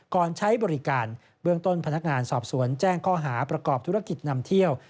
ใช้บริการเบื้องต้นพนักงานสอบสวนแจ้งข้อหาประกอบธุรกิจนำเที่ยว